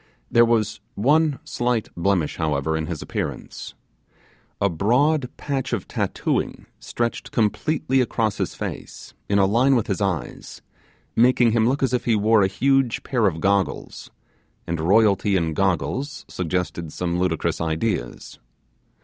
There was one slight blemish, however, in his appearance. A broad patch of tattooing stretched completely across his face, in a line with his eyes, making him look as if he wore a huge pair of goggles; and royalty in goggles suggested some ludicrous ideas.